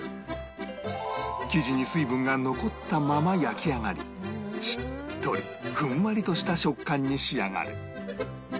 生地に水分が残ったまま焼き上がりしっとりふんわりとした食感に仕上がる